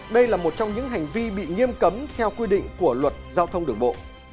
đây là một trong những hành vi bị nghiêm cấm theo quy định của luật giao thông đường bộ